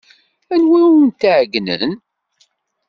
Anwa ay awent-iɛeyynen?